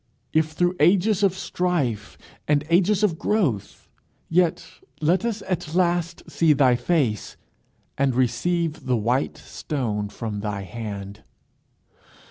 If through ages of strife and ages of growth, yet let us at last see thy face, and receive the white stone from thy hand.